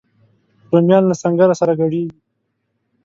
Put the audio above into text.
رومیان له سنګره سره ګډیږي